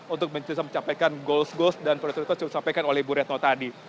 untuk mencapai goals goals dan proses proses yang disampaikan oleh ibu retno tadi